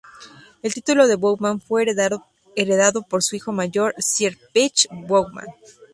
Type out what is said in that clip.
El título de Bowman fue heredado por su hijo mayor, Sir Paget Bowman.